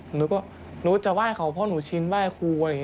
หนูก็หนูจะไหว้เขาเพราะหนูชินไหว้ครูอะไรอย่างนี้